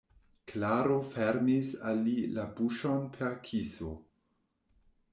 Klaro fermis al li la buŝon per kiso.